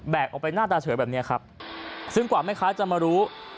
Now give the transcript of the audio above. ออกไปหน้าตาเฉยแบบนี้ครับซึ่งกว่าแม่ค้าจะมารู้